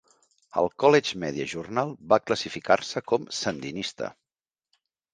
El "College Media Journal" va classificar-se com "Sandinista".